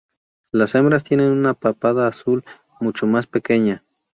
Las hembras tienen una papada azul mucho más pequeña.